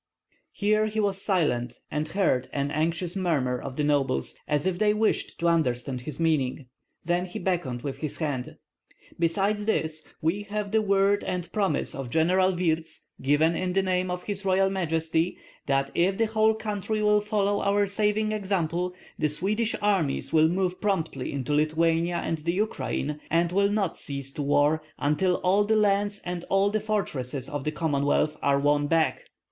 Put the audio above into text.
Here he was silent, and heard an anxious murmur of the nobles, as if they wished to understand his meaning; then he beckoned with his hand. "Besides this, we have the word and promise of General Wirtz, given in the name of his royal Majesty, that if the whole country will follow our saving example, the Swedish armies will move promptly into Lithuania and the Ukraine, and will not cease to war until all the lands and all the fortresses of the Commonwealth are won back.